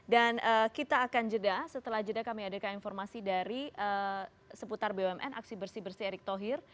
dan kita akan jeda setelah jeda kami ada informasi dari seputar bumn aksi bersih bersih erick thohir